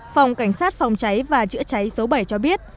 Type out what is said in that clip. phòng cảnh sát phòng trái và chữa trái số bảy cho biết